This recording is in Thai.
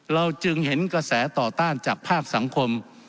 เราจึงเห็นกระแสต่อต้านจากภาคสังคม